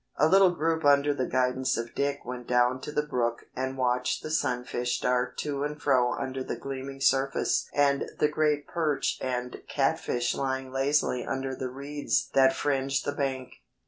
A little group under the guidance of Dick went down to the brook and watched the sunfish dart to and fro under the gleaming surface and the great perch and catfish lying lazily under the reeds that fringed the bank.